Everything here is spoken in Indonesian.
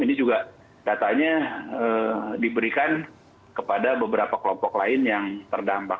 ini juga datanya diberikan kepada beberapa kelompok lain yang terdampak